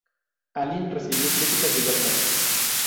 Alien recibió críticas diversas.